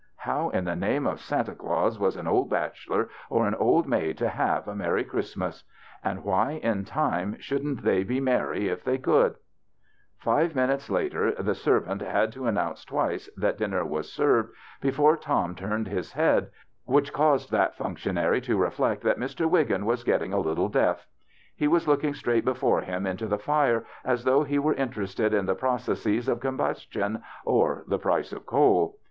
How in the name of Santa Claus was an old bachelor or an old maid to have a merry Christmas ? And why in time shouldn't they be merry if they could ? Five minutes later, the servant had to an nounce twice that dinner was served before Tom turned his head, which caused that THE BACHELOR'S CHRISTMAS 29 functionaiy to reflect tliat Mr. Wiggin was getting a little deaf. He was looking straight before liim into the fire, as though he were interested in the processes of combustion or the price of coal.